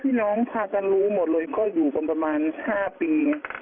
พี่น้องพากันรู้หมดเลยก็อยู่กันประมาณ๕ปี